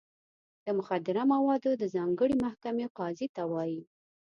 د مخدره موادو د ځانګړې محکمې قاضي ته وایي.